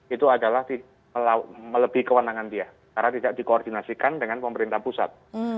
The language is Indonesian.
itu adalah melebihi kewenangan dia karena tidak dikoordinasikan dengan pemerintah pusat